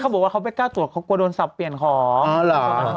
เขาบอกว่าเขาไปกล้าตรวจเขากลัวโดนสับเปลี่ยนของ